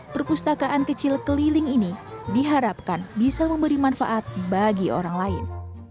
perpustakaan kecil keliling ini diharapkan bisa memberi manfaat bagi orang lain